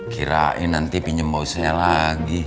kirain nanti pinjem bau saya lagi